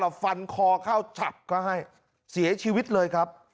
เราฟันคอเข้าจับก็ให้เสียชีวิตเลยครับ